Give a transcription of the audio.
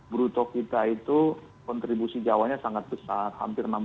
bruto kita itu kontribusi jawa nya sangat besar